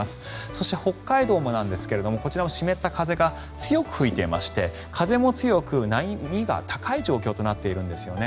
そして、北海道もなんですがこちらも湿った風が強く吹いていまして風も強く波が高い状況となっているんですよね。